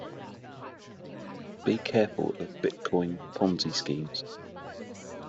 Be careful of bitcoin Ponzi schemes.